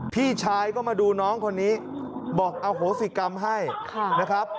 พี่ชายก็มาดูน้องคนนี้บอกอโหสิกรรมให้นะครับ